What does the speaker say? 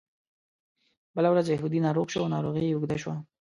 بله ورځ یهودي ناروغ شو او ناروغي یې اوږده شوه.